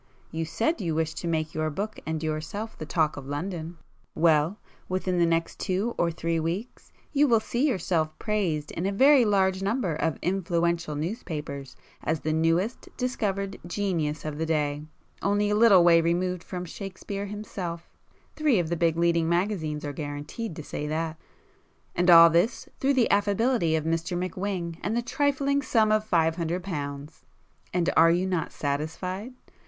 You said you wished to make your book and yourself 'the talk of London,'—well, within the next two or three weeks you will see yourself praised in a very large number of influential newspapers as the newest discovered 'genius' of the day, only a little way removed from Shakespeare himself (three of the big leading magazines are guaranteed to say that) and all this through the affability of Mr McWhing, and the trifling sum of five hundred pounds! And are you not satisfied?